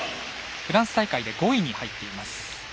フランス大会で５位に入っています。